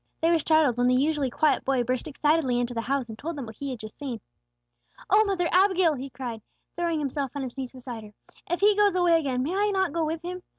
They were startled when the usually quiet boy burst excitedly into the house, and told them what he had just seen. "O mother Abigail!" he cried, throwing himself on his knees beside her. "If He goes away again may I not go with Him?